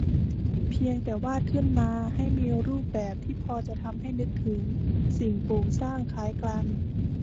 เพียงแต่วาดขึ้นมาให้มีรูปแบบที่พอจะทำให้นึกถึงสิ่งปลูกสร้างคล้ายกัน